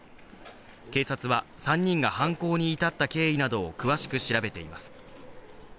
警察は３人が犯行に至った経緯などを詳しく調べています。